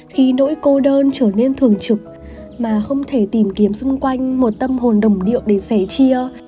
khi nỗi cô đơn trở nên thường trực mà không thể tìm kiếm xung quanh một tâm hồn đồng điệu để sẻ chia